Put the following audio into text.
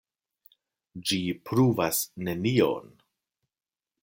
Ĝi pruvas nenion.